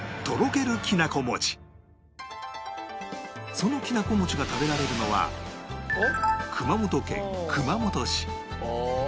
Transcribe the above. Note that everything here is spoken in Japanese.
そのきなこ餅が食べられるのは熊本県熊本市